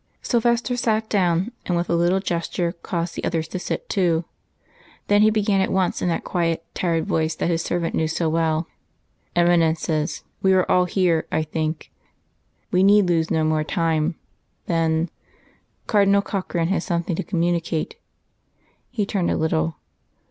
Silvester sat down, and with a little gesture caused the others to sit too. Then He began at once in that quiet tired voice that his servant knew so well. "Eminences we are all here, I think. We need lose no more time, then.... Cardinal Corkran has something to communicate " He turned a little.